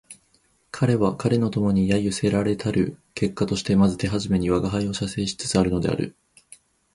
彼は彼の友に揶揄せられたる結果としてまず手初めに吾輩を写生しつつあるのである